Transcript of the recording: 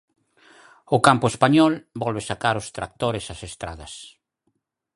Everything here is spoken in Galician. O campo español volve sacar os tractores ás estradas.